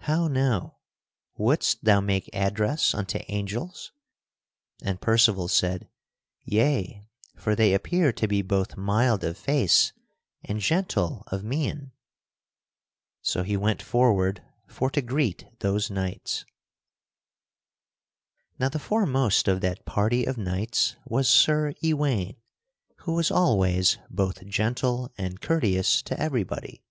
How now! Wouldst thou make address unto angels!" And Percival said: "Yea; for they appear to be both mild of face and gentle of mien." So he went forward for to greet those knights. [Sidenote: Percival holds discourse with five knights] Now the foremost of that party of knights was Sir Ewaine, who was always both gentle and courteous to everybody.